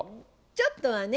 ちょっとはね。